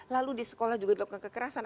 lalu di sekolah juga dilakukan kekerasan